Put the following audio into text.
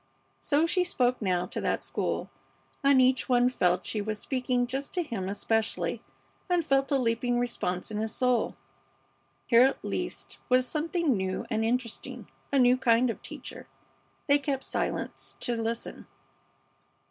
So she spoke now to that school, and each one felt she was speaking just to him especially, and felt a leaping response in his soul. Here, at least, was something new and interesting, a new kind of teacher. They kept silence to listen.